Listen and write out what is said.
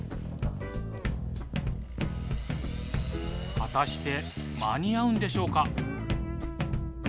果たして間に合うんでしょうか？